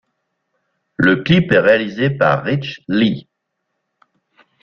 Le clip est réalisé par Rich Lee.